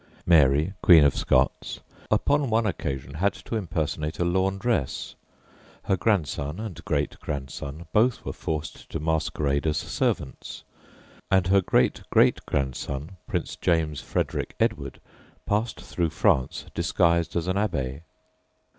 Mary, Queen of Scots, upon one occasion had to impersonate a laundress. Her grandson and great grandson both were forced to masquerade as servants, and her great great grandson Prince James Frederick Edward passed through France disguised as an abbé.